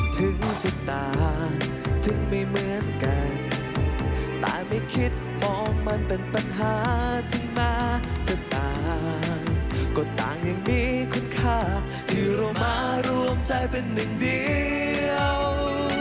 ถึงจะตายถึงไม่เหมือนกันแต่ไม่คิดมองมันเป็นปัญหาถึงแม้จะตายก็ต่างยังมีคุณค่าที่เรามารวมใจเป็นหนึ่งเดียว